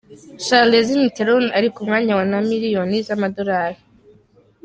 Charlize Theron ari ku mwanya wa na miliyoni z’amadolari.